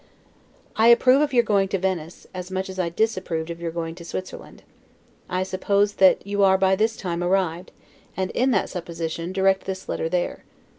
I approve of your going to Venice, as much as I disapproved of your going to Switzerland. I suppose that you are by this time arrived; and, in that supposition, I direct this letter there.